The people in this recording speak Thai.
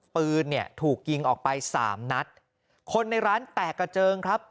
ปืนเนี่ยถูกยิงออกไปสามนัดคนในร้านแตกกระเจิงครับ